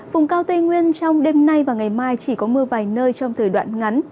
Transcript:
vùng cao tây nguyên trong đêm nay và ngày mai chỉ có mưa vài nơi trong thời đoạn ngắn